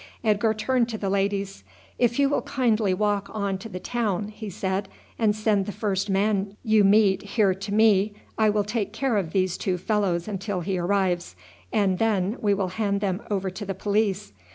Edgar turned to the ladies. "If you will kindly walk on to the town," he said, "and send the first man you meet here to me, I will take care of these two fellows until he arrives, and then we will hand them over to the police.